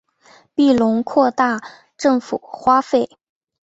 庇隆扩大政府花费。